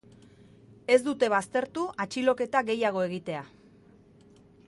Ez dute baztertu atxiloketa gehiago egitea.